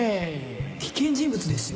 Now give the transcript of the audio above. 危険人物ですよ。